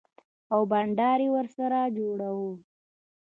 او بنډار يې ورسره جوړ و.